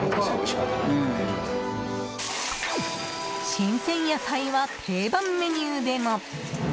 新鮮野菜は定番メニューでも。